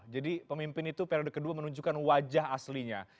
jadi pemimpin itu periode kedua menunjukkan wajah aslinya